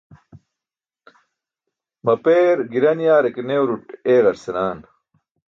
Mapeer giran yaare ke newruṭ eeeġar senaan.